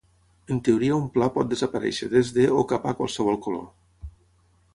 En teoria un pla pot desaparèixer des de o cap a qualsevol color.